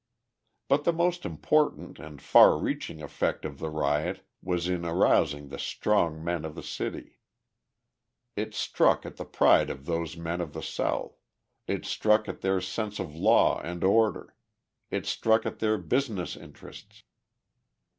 But the most important and far reaching effect of the riot was in arousing the strong men of the city. It struck at the pride of those men of the South, it struck at their sense of law and order, it struck at their business interests.